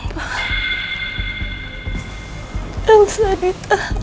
dia bisa ditahan